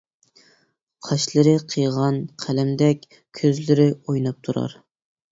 قاشلىرى قىيغان قەلەمدەك، كۆزلىرى ئويناپ تۇرار.